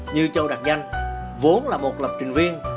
như châu đạt danh vốn là một lập trình viên